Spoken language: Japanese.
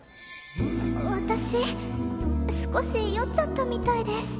私少し酔っちゃったみたいです。